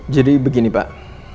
jadi begini pak